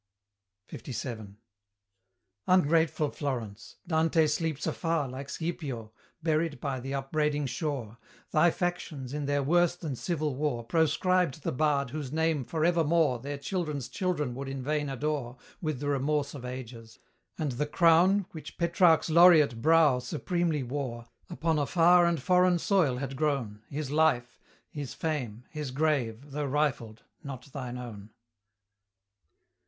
LVII. Ungrateful Florence! Dante sleeps afar, Like Scipio, buried by the upbraiding shore; Thy factions, in their worse than civil war, Proscribed the bard whose name for evermore Their children's children would in vain adore With the remorse of ages; and the crown Which Petrarch's laureate brow supremely wore, Upon a far and foreign soil had grown, His life, his fame, his grave, though rifled not thine own.